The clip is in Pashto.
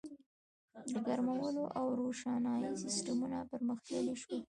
• د ګرمولو او روښنایۍ سیستمونه پرمختللي شول.